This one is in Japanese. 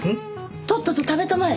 とっとと食べたまえ！